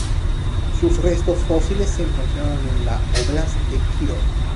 Sus restos fósiles se encontraron en la Óblast de Kírov.